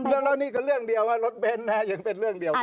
ตอนนี้ก็เรื่องเดียวลดเบนแน่ยังเป็นเรื่องเดียว